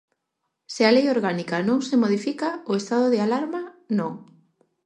Se a lei orgánica non se modifica, o estado de alarma, non.